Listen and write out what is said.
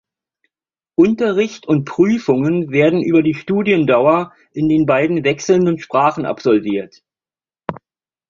Unterricht und Prüfungen werden über die Studiendauer in den beiden wechselnden Sprachen absolviert.